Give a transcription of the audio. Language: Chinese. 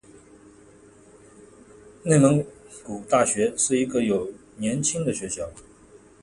内蒙古大学是一个有年轻的学校。